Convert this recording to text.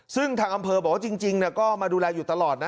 ซึ่งทางอำเภอบอกว่าจริงก็มาดูแลอยู่ตลอดนะ